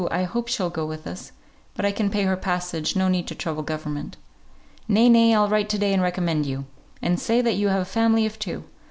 I hope she'll go with us. But I can pay her passage; no need to trouble government." "Nay, nay! I'll write to day and recommend you; and say that you have a family of two.